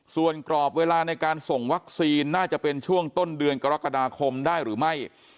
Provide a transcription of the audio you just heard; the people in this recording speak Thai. ส่วนกรอบเวลาในการส่งวัคซีนน่าจะเป็นช่วงต้นเดือนกรกฎาคมได้หรือไม่